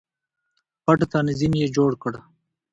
پټ تنظیم یې جوړ کړ.